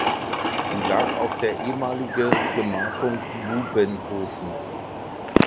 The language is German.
Sie lag auf der ehemalige Gemarkung Bubenhofen.